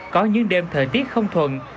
có những đêm thời tiết không thuận